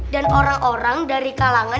dan orang orang dari kalangan